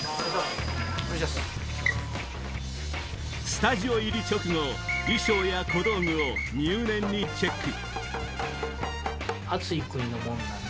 スタジオ入り直後衣装や小道具を入念にチェック